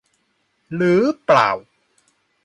หรือเปล่า